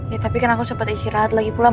ya tapi kan aku sempat istirahat lagi pulang